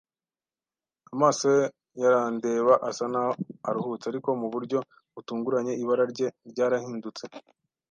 amaso ye yarandeba, asa naho aruhutse. Ariko mu buryo butunguranye, ibara rye ryarahindutse,